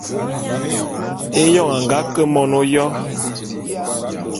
Éyoň a nga ke mon ôyo.